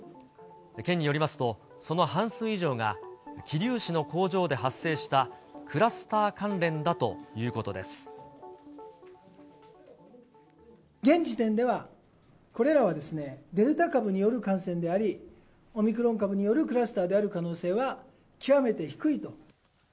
県によりますと、その半数以上が桐生市の工場で発生したクラスター関連だというこ現時点では、これらはデルタ株による感染であり、オミクロン株によるクラスターである可能性は極めて低いと。